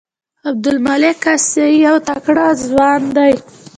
عبدالمالک عاصي یو تکړه ځوان دی.